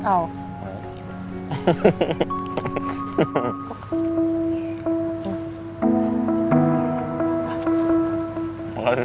saat nunggu gitu